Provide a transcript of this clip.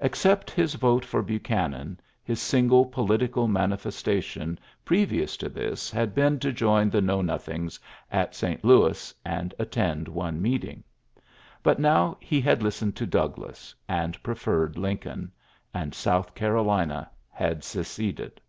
Except his vote or Buchanan, his single political man festation previous to this had been o join the Know Nothings at St jomSy and attend one meeting. But low he had listened to Douglas, and )referred Lincoln; and South Carolina lad seceded.